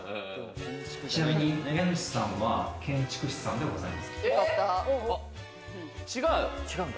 ちなみに家主さんは建築士さんではございません。